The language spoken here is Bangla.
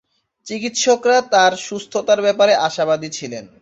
চিকিৎসকরা তার সুস্থতার ব্যাপারে আশাবাদী ছিলেন।